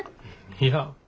いや。